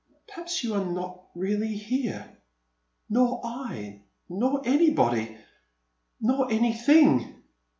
Perhaps you are not really here — nor I — ^nor anybody, nor any thing!'